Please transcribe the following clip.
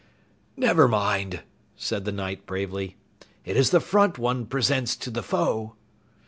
"Never mind!" said the Knight bravely. "It is the front one presents to the foe."